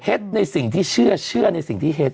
เฮ็ดในสิ่งที่เชื่อเชื่อในสิ่งที่เฮ็ด